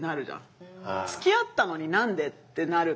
つきあったのに何で？ってなるから。